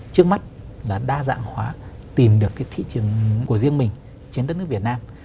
trước mắt là đa dạng hóa tìm được cái thị trường của riêng mình trên đất nước việt nam